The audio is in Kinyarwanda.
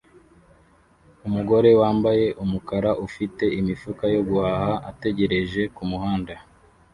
Umugore wambaye umukara ufite imifuka yo guhaha ategereje kumuhanda